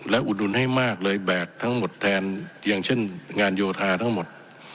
และอุดหนุนให้มากเลยแบกทั้งหมดแทนอย่างเช่นงานโยธาทั้งหมด